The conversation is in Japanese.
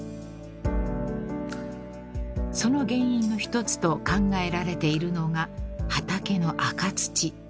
［その原因の一つと考えられているのが畑の赤土］